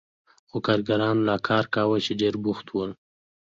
خو کارګرانو لا کار کاوه چې ډېر بوخت ول.